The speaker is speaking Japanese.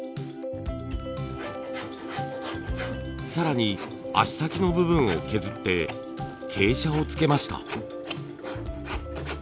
更に足先の部分を削って傾斜をつけました。